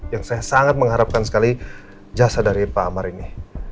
yang saya sangat mengharapkan sekali jasa dari pak amar ini